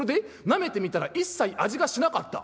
なめてみたら一切味がしなかった。